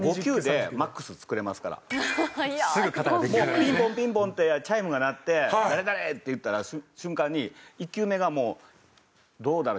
「ピンポンピンポン」ってチャイムが鳴って「誰々」って言った瞬間に１球目がもうどうだろう？